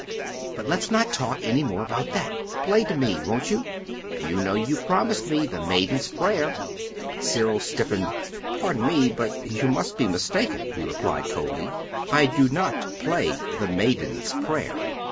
"But let's not talk any more about that. Play to me; won't you? You know you promised me 'The Maiden's Prayer.'" Cyril stiffened. "Pardon me, but you must be mistaken," he replied coldly. "I do not play 'The Maiden's Prayer.'"